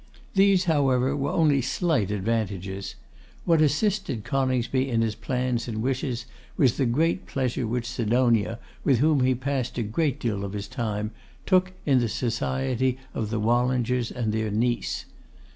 These, however, were only slight advantages. What assisted Coningsby in his plans and wishes was the great pleasure which Sidonia, with whom he passed a great deal of his time, took in the society of the Wallingers and their niece.